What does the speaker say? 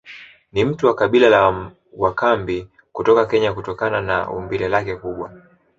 Ni mtu wa kabila la wakambi kutoka Kenya kutokana na umbile lake kubwa